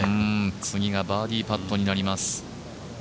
次がバーディーパットになります。